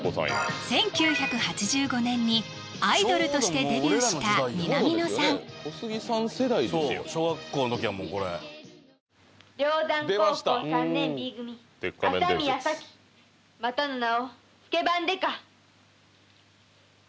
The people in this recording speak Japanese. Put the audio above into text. １９８５年にアイドルとしてデビューした南野さん小杉さん世代ですよそう小学校の時はもうこれ「梁山高校３年Ｂ組麻宮サキまたの名をスケバン刑事！」